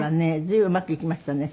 随分うまくいきましたね。